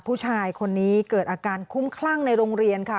ผู้ชายคนนี้เกิดอาการคุ้มคลั่งในโรงเรียนค่ะ